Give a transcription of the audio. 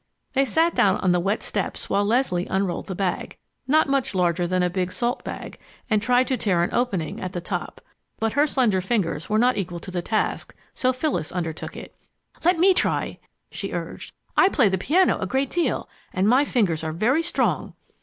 They sat down on the wet steps while Leslie unrolled the bag, not much larger than a big salt bag, and tried to tear an opening at the top. But her slender fingers were not equal to the task, so Phyllis undertook it. "Let me try!" she urged. "I play the piano a great deal and my fingers are very strong."